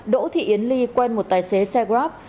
đỗ thị yến ly quen một tài xế xe grab